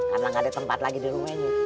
karena nggak ada tempat lagi di rumahnya